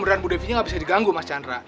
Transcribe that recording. kebeneran bu devinya gak bisa diganggu mas chandra